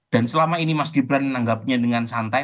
dan selama ini mas gibran menanggapnya dengan santai